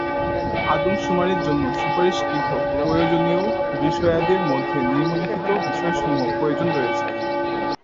আদমশুমারির জন্য সুপারিশকৃত প্রয়োজনীয় বিষয়াদির মধ্যে নিম্নলিখিত বিষয়সমূহের প্রয়োজন রয়েছে।